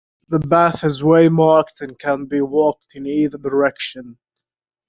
The path is waymarked and can be walked in either direction.